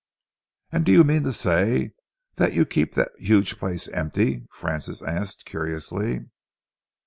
"And do you mean to say that you keep that huge place empty?" Francis asked curiously.